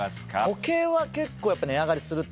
時計は結構値上がりするって。